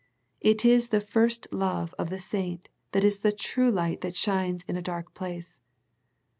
It is the first love of the saint that is the true light that shines in a dark place.